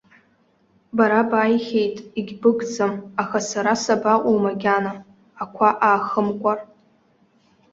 Бара бааихьеит, егьбыгӡам, аха сара сабаҟоу макьана, ақәа аахымкәар.